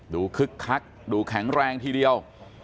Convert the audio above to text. คึกคักดูแข็งแรงทีเดียว